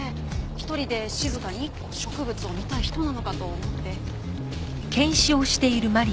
一人で静かに植物を見たい人なのかと思って。